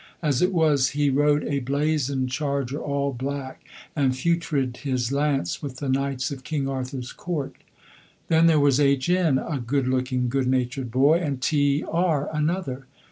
As it was, he rode a blazoned charger, all black, and feutred his lance with the Knights of King Arthur's court. Then there was H n, a good looking, good natured boy, and T r, another.